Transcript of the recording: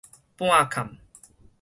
半崁